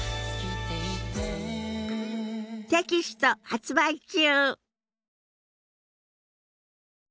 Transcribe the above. テキスト発売中。